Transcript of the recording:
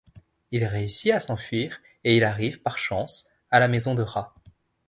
Il réussit à s'enfuir, et il arrive par chance à la maison de Rat.